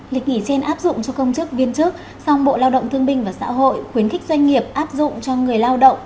lịch nghỉ trên áp dụng cho công chức viên chức song bộ lao động thương binh và xã hội khuyến khích doanh nghiệp áp dụng cho người lao động